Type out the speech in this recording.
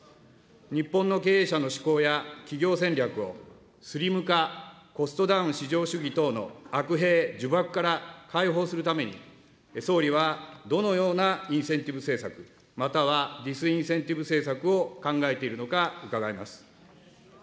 日本の経営者の思考や企業戦略を、スリム化、コストダウン至上主義の悪弊、呪縛から解放するために、総理はどのようなインセンティブ政策、またはディスインセンティブ政策を考えているのか伺います。